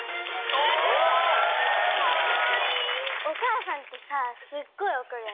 お母さんってさすっごい怒らない？